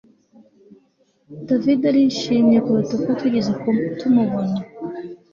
David arishimye kuruta uko twigeze tumubona